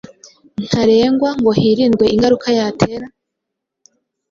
ntarengwa ngo hirindwe ingaruka yatera.